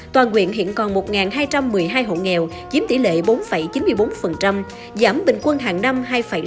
toàn nguyện hiện còn một hai trăm một mươi hai hộ nghèo chiếm tỷ lệ bốn chín mươi bốn giảm bình quân hàng năm hai sáu mươi sáu